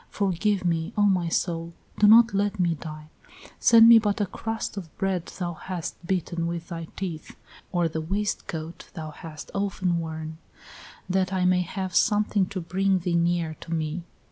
Forgive me, O my soul! Do not let me die.... Send me but a crust of bread thou hast bitten with thy teeth, or the waistcoat thou hast often worn, that I may have something to bring thee near to me."